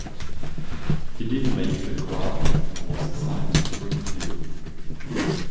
He did not make the club and was assigned to Springfield.